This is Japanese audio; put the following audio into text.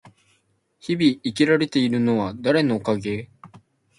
日々生きられているのは誰のおかげ？